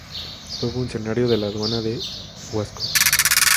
Fue funcionario en la Aduana de Huasco.